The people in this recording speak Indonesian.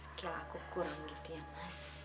skill aku kurang gitu ya mas